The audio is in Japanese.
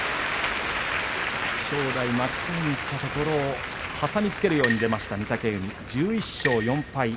正代、巻き替えにいったところを挟みつけるように出ました御嶽海１１勝４敗。